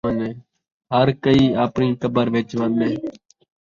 ہر کئیں آپݨی قبر ءِچ ون٘ڄݨے